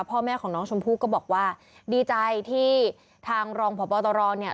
พ่อแม่ของน้องชมพู่ก็บอกว่าดีใจที่ทางรองพบตรเนี่ย